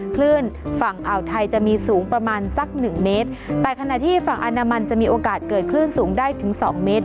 คลื่นฝั่งอ่าวไทยจะมีสูงประมาณสักหนึ่งเมตรแต่ขณะที่ฝั่งอนามันจะมีโอกาสเกิดคลื่นสูงได้ถึงสองเมตร